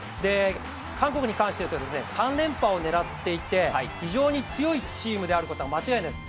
韓国に関して言うと３連覇を狙っていて、非常に強いチームであることは間違いないです。